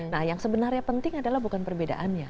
nah yang sebenarnya penting adalah bukan perbedaannya